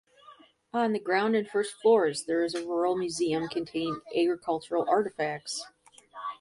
On the ground and first floors there is a rural museum containing agricultural artifacts.